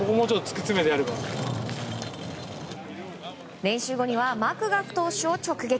練習後にはマクガフ投手を直撃。